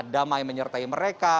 damai menyertai mereka